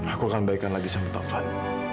aku akan baikkan lagi sama taufan